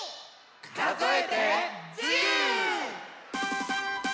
かぞえて１０！